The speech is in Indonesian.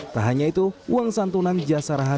tak hanya itu uang santunan jasara hadi